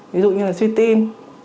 ví dụ như là suy tim